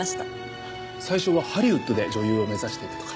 最初はハリウッドで女優を目指していたとか？